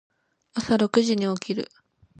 朝六時に起きる。